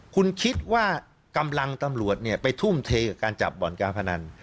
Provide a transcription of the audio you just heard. คุณคิดว่ากำลังตำรวจไปทุ่มเทกับการจับบ่อนการพนัน